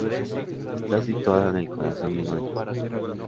Está situada en el corazón mismo de la ciudad.